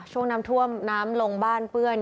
ช่วงน้ำท่วมน้ำลงบ้านเปื้อน